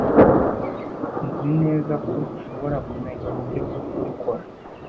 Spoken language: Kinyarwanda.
Nzi neza ko dushobora kumenya uburyo bwo kubikora.